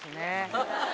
ハハハハ。